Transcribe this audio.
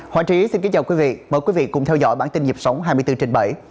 họa sĩ xin kính chào quý vị mời quý vị cùng theo dõi bản tin nhịp sống hai mươi bốn trên bảy